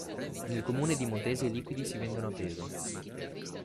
Nel comune di Montese i liquidi si vendono a peso.